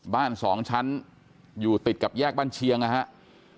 บ้านสองชั้นอยู่ติดกับแยกบ้านเชียงนะครับ